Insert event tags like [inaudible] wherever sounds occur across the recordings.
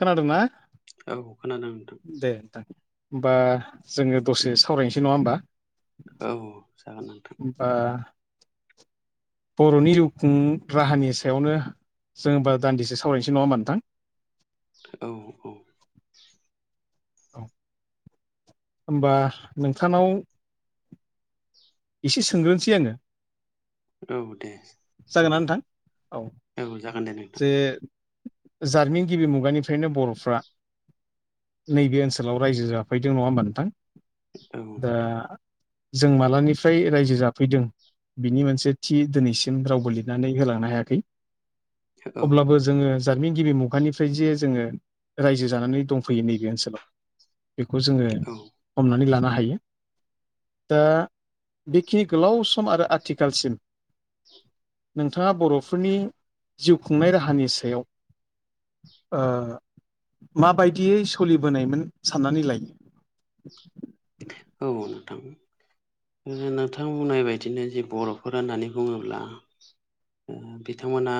खोनादोंना औ खोनादों नोंथां दे नोंथां। होमबा जोङो दसे सावरायनोसै नङा होमबा। औ। जागोन नोंथां बा। बर'नि जिउ खुं राहानि सायावनो जोंबा दान्दिसे सावरायनोसै नङा होबा नोंथां। औ-औ। औ। होमबा नोंथांनाव एसे सोंग्रोनोसै आङो? औ दे औ नोंथां औ जागोन दे जे नोंथां। जारिमिन गिबि मुगानिफ्रायनो बर'फ्रा नैबे ओनसोलाव रायजो जाफैदों नङा होमबा नोंथां। औ दा नोंथां जों मालानि फ्राय रायजो जाफैदों बिनि मोनसे थि दिनैसिम रावबो लिरनानै होलांनो हायाखै औ अब्लाबो जोङो बिजादनि गिबि मुगानिफ्राय जे जोङो रायजो जानानै दंफैयो नैबे ओनसोलाव। बेखौ जोङो औ हमनानै लानो हायो। दा बेखिनि गोलाव सम आरो आथिखालसिम नोंथाङा बर'फोरनि जिउ खुंनाय राहानि सायाव ओ माबायदियै सोलिबोनायमोन साननानै लायो। [unintelligible] [inaudible] औ नोंथां। नोंथां बुंनाय बायदिनो जे बर'फोर होननानै बुङोब्ला ओ बिथांमोना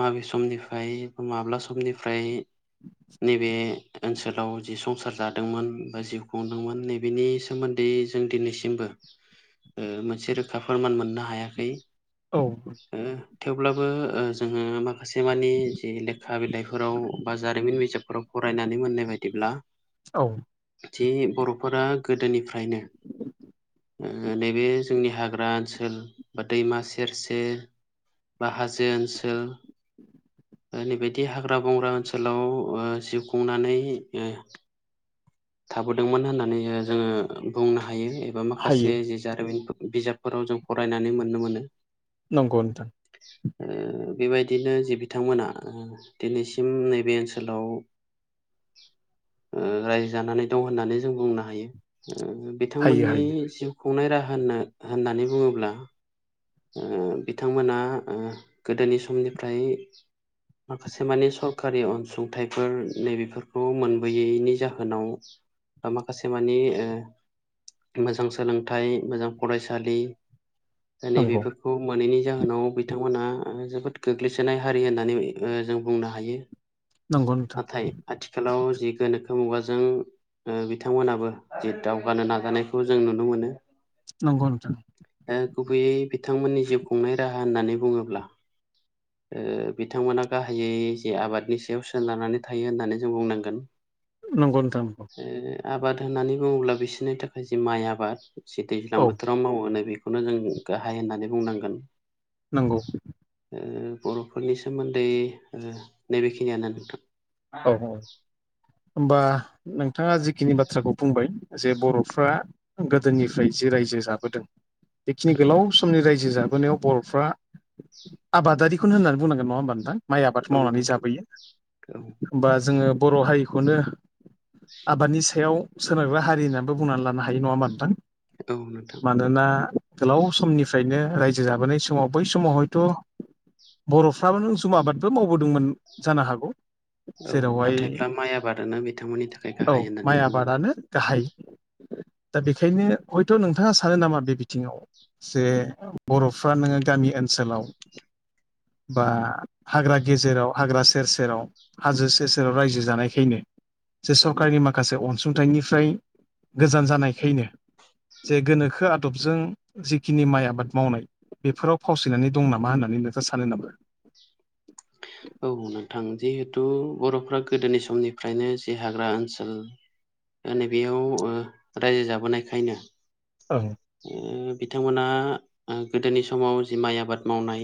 माबे समनिफ्राय बा माब्ला समनिफ्राय नैबे ओनसोलाव जि संसार जादोंमोन बा जिउ खुंदोंमोन नैबेनि सोमोन्दै जों दिनैसिमबो ओ मोनसे रोखा फोरमान मोननो हायाखै औ ओ थेवब्लाबो जोङो मा खासेमानि जि लेखा बिलाइफोराव बा जारिमिन बिजाबफोराव फरायनानै मोननाय बायदिब्ला औ। थि बर'फोरा गोदोनिफ्रायनो। ओ नैबे जोंनि हाग्रा ओनसोल बा दैमा सेर सेर बा हाजो ओनसोल ओ नैबायदि हाग्रा-बंग्रा ओनसोलाव ओ जिउ खुंनानै थाबोदोंमोन होननानै जोङो बुंनो हा यो एबा हायो माखासे जि जारिमिन बिजाबफोराव जों फरायनानै मोननो मोनो। नंगौ नोंथां ओ बेबायदिनो जि बिथांमोना ओ दिनैसिम नैबे ओनसोलाव ओ रायजो जानानै दं होननानै जों बुंनो हायो। ओ हायो बिथांमोननि हायो जिउ खुंनाय राहा होननो होननानै बुङोब्ला। ओ बिथांमोना ओ गोदोनि समनिफ्राय माखासे मानि सरखारि अनसुंथाइफोर नैबेफोरखौ मोनबोयैनि जाहोनाव दा माखासे मानि ओ मोजां सोलोंथाइ मोजां फरायसालि नंगौ नैबेफोरखौ मोनैनि जाहोनाव बिथांमोना ओ जोबोद गोग्लैसोनाय हारि होननानै जों बुंनो हायो नंगौ नोंथां नाथाय आथिखालाव जि गोनो खो मुगाजों ओ बिथांमोनाबो जि दावगानो नाजानायखौ जों नुनो मोनो नंगौ नोंथां। बि थांमोननि जिउ खुंनाय राहा होननानै बुङोब्ला ओ बिथांमोना गाहायै जे आबादनि सायाव सोनारनानै थायो होननानै जों बुंनांगोन नंगौ नोंथां। ओ आबाद होननानै बुङोब्ला बिसोरनि थाखाय जि माइ आबाद जि दैज्लां औ बोथोराव मावोन नै बे बेखौनो जों गाहाय होननानै बुंनांगोन नंगौ। ओ बरफोरनि सोमोन्दै नैबेखिनियानो नोंथां। औ [unintelligible] औ होमबा नोंथाङा जिखिनि बाथ्राखौ बुंबाय जे बरफ्रा गोदोनिफ्राय जि रायजो जाबोदों बेखिनि गोलाव समनि रायजो जाबो बोनायाव बरफ्रा आबादारिखौनो होननानै बुंनांगोन नङा होमबा नोंथां। माइ आबाद औ मावनानै नोंथां जाबोयो औ होमबा जोङो बर हारिखौनो आबादनि सायाव सोनारग्रा हारि होननानैबो बुंनानै लानो हायो नङा होमबा नोंथां। औ नोंथां मानोना गोलाव समनिफ्रायनो रायजो जाबोनाय समाव बै समाव हयथ बरफ्राबो नो जुम आबादबो मावबोदोंमोन जानो हागौ। औ जेरावहाय नाथायब्ला माइ आबादानो बिथांमोननि थाखाय औ गाहाय होननानै माइ जों बुंबाय आबादानो गाहाय। दा बेखायनो हयथ नोंथाङा सानो नामा बे बिथिङाव जे बरफ्रा नोङो गामि ओनसोलाव बा हाग्रा गेजेराव हाग्रा सेर सेराव हाजो सेर सेराव रायजो जानायखायनो जे सरकारनि माखासे अनसुंथाइनिफ्राय गोजान जानायखायनो जे गोनोखो आदबजों जिखिनि माइ आबाद मावनाय बेफोराव फावसिनानै दं नामा होननानै [unintelligible] सानो नामा? औ नोंथां जिहेथु बरफ्रा गोदोनि समनिफ्रायनो जे हाग्रा ओनसोल [inaudible] नैबेयाव ओ रायजो जाबोनायखायनो ओं ओ बिथांमोना गोदोनि समाव जि माइ आबाद मावनाय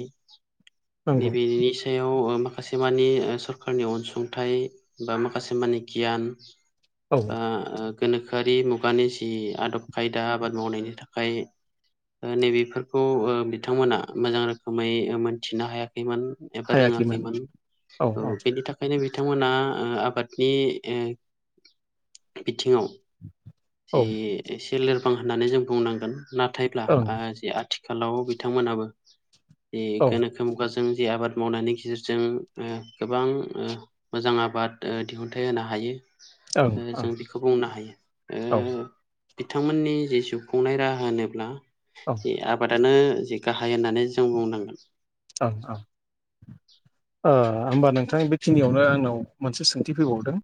नंगौ नैबेनि सायाव ओ मा माखासेमानि सरखारनि अनसुंथाइ बा माखासेमानि गियान औ ओ गोनोखोआरि मुगानि जि आदब खायदा आबाद मावनायनि था खाय ओ नैबेफोरखौ ओ बिथांमोना मोजां रोखोमै मोनथिनो हायाखै खैमोन एबा हायाखैमोन रोङाखैमोन औ औ बेनि थाखायनो बि बिथांमोना ओ आबादनि ओ बिथिङाव औ जि ओं एसे लोरबां होननानै जों बुंनांगोन नाथायब्ला औ ओ ओं जि आथि खालाव बिथांमोनाबो बे गोनोखो मुगाजों जों जे आबाद मावनायनि गेजेरजों ओ गोबां ओ मोजां आबाद ओ दिहुनथाइ होनो हायो ओं ओ औ जों बेखौ बुंनो हायो औ ओं ओ बिथांमोननि जि जिउ खुंनाय राहा होनोब्ला जि आबादानो जि गाहाय होननानै जों बुंनांगोन। ओं होमबा नोंथां बेखिनियावनो आंनाव मोनसे सोंथि फैबावदों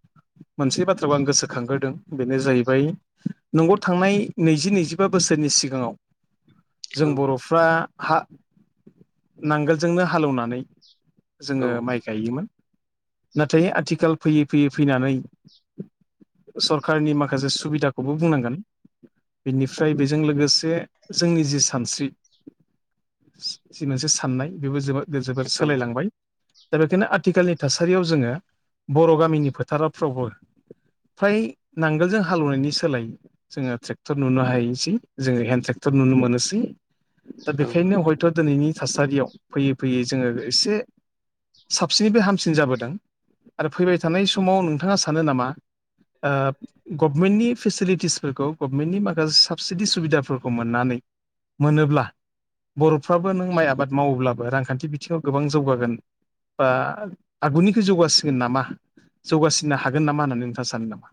मोनसे बाथ्राखौ आं गोसोखांग्रोदों बे बेनो जाहैबाय नंगौ थांनाय नैजि-नैजिबा बोसोरनि सिगाङाव। जों औ बर'फ्रा हा नांगोलजोंनो हालेवनानै। औ जोंङो माइ गायोमोन। नाथाय आथिखाल फैयै-फैयै फैनानै। सरखारनि माखासे सुबिदाखौबो बुंनांगोन। बेनिफ्राय बेजों लोगोसे जोंनि जि सानस्रि। मोनसे साननाय बेबो जोबोद जोबोद औ सोलायलांबाय। दा बेखायनो आथिखालनि थासारियाव जोंङो बर' गामिनि फोथारावफ्रावबो। फ्राय नांगोलजों हालेवनायनि सोलायै जोङो ट्रेक्टर नुनो हायोसै जोङो हेन्द ट्रेक्टर। नुनो मोनोसै दा औ बेखायनो हयथ' दिनैनि। थासारियाव फैयै-फैयै जोङो एसे। साबसिननिफ्राय हामसिन जाबोदों आरो फैबाय थानाय समाव नोंथाङा सानो नामा? ओ गभमेन्टनि। फेसिलिटिसफोरखौ गभनमेन्टनि माखासे साबसिडि सुबिदाफोरखौ मोननानै मोनोब्ला। बर'फ्राबो नों माइ आबाद मावोब्लाबो रांखान्थि बिथिङाव गोबां जौगागोन। बा आगुनिखौ जौगासिगोन नामा? जौगासिननो हागोन नामा होननानै नोंथाङा सानो नामा?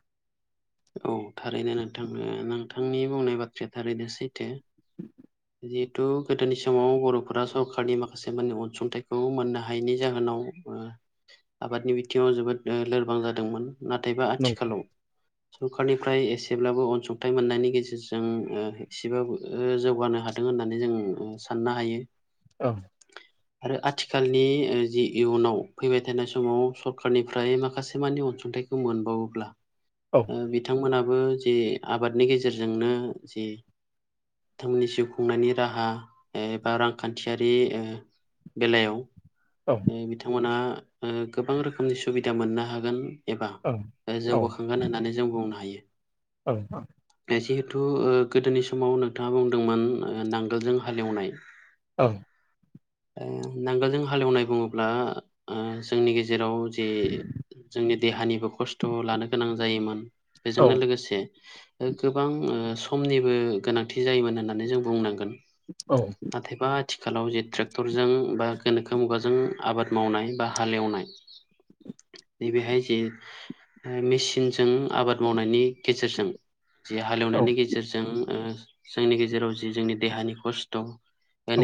औ थारैनो नोंथांनो- नोंथांनि बुंनाय बाथ्राया थारैनो सैथो। [inaudible] जिहेतु गोदोनि समाव बर'फोरा सरखारनि माखासे मे अनसुंथाइखौ मोननो हायैनि जाहोनाव। ओ [inaudible] आबादनि बिथिङाव जोबोद ओ लोरबां जादोंमोन नाथायबा नंगौ आथिखालाव। सरखारनिफ्राय एसेब्लाबो अनसुंथाइ मोननायनि गेजेरजों एसेबाबो ओ जौगानो। हादों होननानै जों साननो हायो। औ। आरो आथिखालनि जि इयुनाव फैबाय थानाय समाव सरखारनिफ्राय माखासे मानि। अनसुंथाइखौ मोनबावोब्ला औ बिथांंमोना। बो जे आबादनि गेजेरजोंनो जे बिथांमोननि जिउ। खुंनायनि राहा एबा रांखान्थियारि ओ बेलायाव। औ ओ बिथांमोनहा ओ गोबां रोखोमनि सुबिदा मोननो हागोन। एबा औ जौगाखांगोन होननानै जों बुंनो हायो। औ-औ। जिहेथु ओ गोदोनि समाव नोंथाङा बुंदोंमोन ओ नांगोलजों हालेवनाय। औ। ओ नांगोलजों हालेवनाय बुङोब्ला ओ जोंनि गेजेराव। जि जोंनि देहानिबो खस्थ' लानो गोनां जायोमोन औ बेजोंनो लोगोसे। गोबां ओ समनिबो गोनांथि जायोमोन होननानै जों बुंनांगोन। नाथायबा आथिखालाव जे ट्रेक्टरजों बा गोनोखो मुगाजों। जों आबाद मावनाय बा हालेवनाय। नैबेहाय जे मेसिनजों आबाद मावनायनि गेजेरजों। जि औ हालेवनायनि गेजेरजों ओ जोंनि गेजेराव जि जोंनि देहानि कस्त'।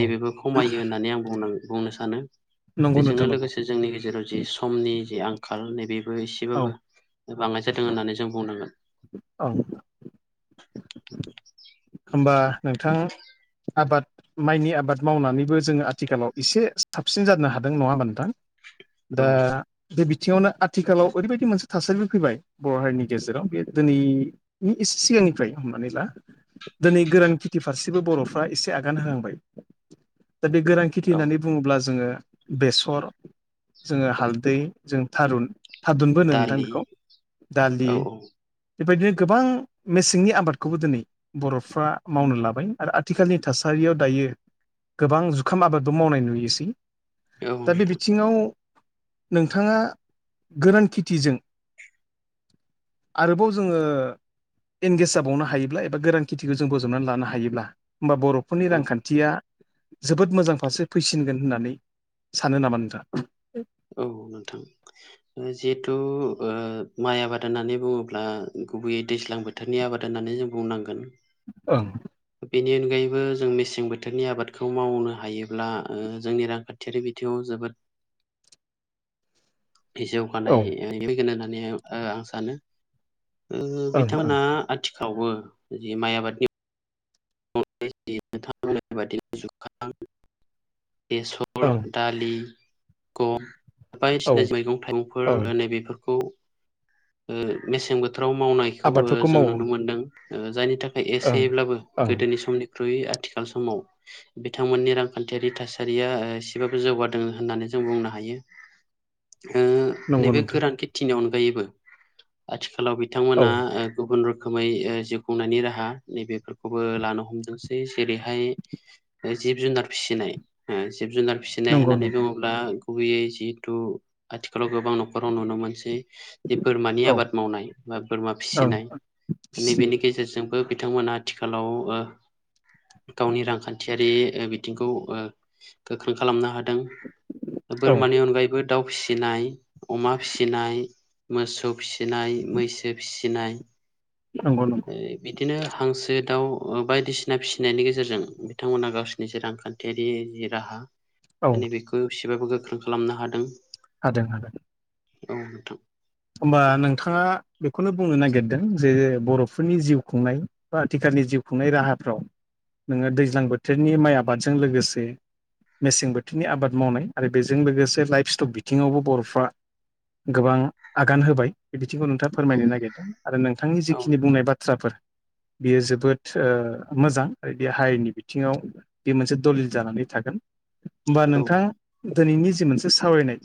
औ खमायो होननानै आं बुंनांगोन बुंनो सानो। नंगौ नोंथां बेजोंनो नंगौ लोगोसे जोंनि गेजेराव जि समनि जि आंखाल नैबेबो औ एसेबाबो। बाङाय जादों होननानै जों बुंनांगोन। औ। होमबा नोंथां आबाद। माइनि आबाद मावनानैबो जोङो आथिखालाव एसे साबसिन जानो हादों नङा होमबा नोंथां? औ दा देबिद। बिथिङावनो आथिखालाव ओरैबायदि मोनसे थासारिबो फैबाय बर' हारिनि गेजेराव बे दिनैनि एसे सिगां। फ्राय हमनानै ला। दिनै गोरान खेथि फारसेबो बर'फ्रा एसे आगान होहांबाय, ! दा बे गोरान खेथि औ होननानै बुङोब्ला जोङो बेसर जोङो हालदै जों थारुन थाददुनबो होनो नोंथां दालि बेखौ दालि औ औ बेबायदिनो गोबां मेसेंनि आबादखौबो दिनै बर'फ्रा मावनो लाबाय आरो आथिखालनि थासारियाव दायो। गोबां जुखाम आबादबो मावनाय नुयोसै। औ दा बे नोंथां बिथिङाव नोंथाङा गोरान खेथिजों आरोबाव जोङो एंगेज जाबावनो हायोब्ला एबा गोरानन खेथिखौ जों बोजबनानै लानो हायोब्ला होमबा बर'फोरनि औ रांखान्थिया जोबोद मोजां फारसे फैसिनगोन होननानै सानो नामा नोंथांङा औ नोंथां जिहेथु माइ आबाद होननानै बुंङोब्ला, ! गुबैयै दैज्लां बोथोरनि आबाद होननानै जों बुंनांगोन ओं, बेनि अनगायैबो जों मेसें बोथोरनि आबादखौ मावनो हायोब्ला जोंनि रांखान्थियारि बिथिंङाव जों जोबोद बे औ जौगानाय [unintelligible] होननानै आं सानो ओं ओं बिथांमोनहा आथिखालावबो जि माइ आबादनि [unintelligible] बेसर ओं दालि गम, औ बायदिसना मैगं ओं थाइगंफोर नैबेफोरखौ मेसें बोथोराव मावनायखौ आबादफोरखौ जों मावो नुनो मोनदों जायनि थाखाय ओमफ्राय ओं एसेब्लाबो ओं गोदोनि समनि ख्रुय आथिखाल समाव बिथांमोननि रांखान्थियारि थासारिया एसेबाबो जौगादों होननानै जों बुंनो हायो। औ, ओ नैबे गोरान खेथिनि अनगायैबो आथिखाल आथिखालाव औ बिथांमोना गुबुन रोखोम। रोखोमै जिउ खुंनायनि राहा नैबेफोरखौबो लानो हमदोंसै जेरैहाय! जिब जुनार फिसिनाय जिब जुनार फिसिनाय नंगौ होननानै नंगौ बुंङोब्ला गुबैयै जिहेथु आथिखालाव गोबां न'खराव नुनो मोनसै। जि बोरमानि औ आबाद मावनाय बा बोरमा ओं फिसिनाय फिसिनाय नैबेनि गेजेरजोंबो! बिथांमोना आथिखालाव गावनि रांखान्थियारि बिथिंखौ गोख्रों खालामनो हादों। दं औ बोरमानि अनगायैबो दाउ, फिसिनाय अमा, फिसिनाय मोसौ फिसिनाय, मैसो फिसिनाय, नंगौ नंगौ बिदिनो हांसो, दाउ बायदिसिना फिसिनायनि गेजेरजों बिथांमोनहा गावसिनि जि रांखान्थियारि जि राहा औ दा नैबेखौ एसेबाबो गोख्रों खालामनो हादों। हादों हादों। औ नोंथां। होमबा नोंथांङा बेखौनो बुंनो नागिरदों जे बर'फोरनि जिउ खुंनाय बा आथिखालनि। जिउ खुंनाय राहाफ्राव नोंङो दैज्लां बोथोरनि माइ आबादजों लोगोसे मेसें बोथोरनि आबाद मावनाय आरो बेजों लोगोसे लाइफ स्टक बिथिंङावबो बर'फ्रा गोबां! आगान होबाय बे बिथिंखौ नोंथांङा औ फोरमायनो नागिरदों आरो नोंथांनि औ जिखिनि नोंथां बुंनाय बाथ्राफोर बियो जोबोद मोजां आरो बे हारिनि बिथिंङाव बे मोनसे दलिल जानानै थागोन ओमबा औ नोंथांङा दिनैनि जि मोनसे सावरायनाय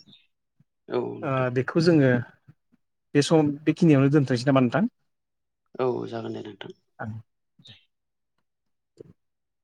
औ नोंथां बेखौ जोंङो बे सम बेखिनियावनो दोनथ'नोसै नामा नोंथां। औ जागोन दे नोंथां। आं [inaudible]